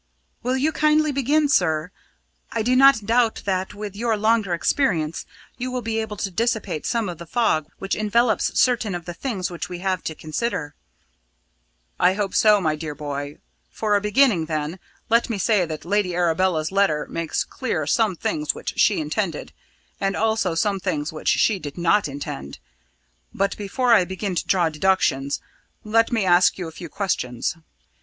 "Will you kindly begin, sir? I do not doubt that, with your longer experience, you will be able to dissipate some of the fog which envelops certain of the things which we have to consider." "I hope so, my dear boy. For a beginning, then, let me say that Lady Arabella's letter makes clear some things which she intended and also some things which she did not intend. But, before I begin to draw deductions, let me ask you a few questions.